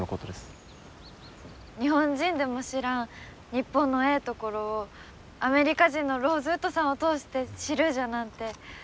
日本人でも知らん日本のええところをアメリカ人のローズウッドさんを通して知るじゃなんて